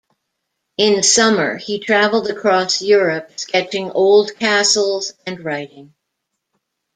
In summer, he traveled across Europe sketching old castles and writing.